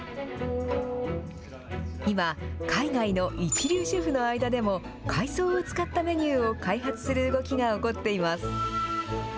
今、海外の一流シェフの間でも、海藻を使ったメニューを開発する動きが起こっています。